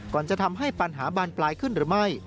จะทำให้ปัญหาบานปลายขึ้นหรือไม่